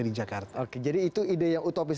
di jakarta oke jadi itu ide yang utopis